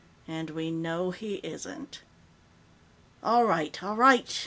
And we know he isn't." "All right, all right!